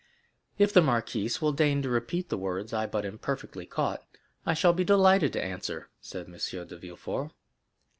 "If the marquise will deign to repeat the words I but imperfectly caught, I shall be delighted to answer," said M. de Villefort.